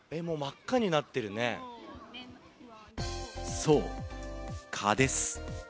そう、蚊です。